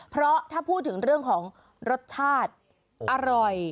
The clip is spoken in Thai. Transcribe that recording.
เพราะถ้าพูดถึงเรื่องของรสชาติอร่อย